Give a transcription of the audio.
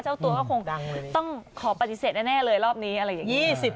เจ้าตัวก็คงต้องขอปฏิเสธแน่เลยรอบนี้อะไรอย่างนี้